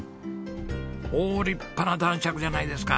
おお立派な男爵じゃないですか。